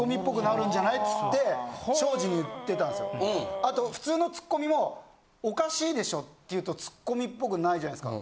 あと普通のツッコミも「おかしいでしょ！」って言うとツッコミっぽくないじゃないですか。